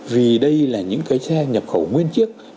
vì đây là những cái xe nhập khẩu nguyên chiếc